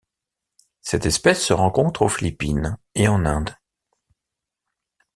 Cette espèce se rencontre aux Philippines et en Inde.